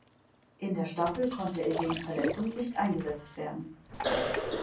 In der Staffel konnte er wegen Verletzung nicht eingesetzt werden.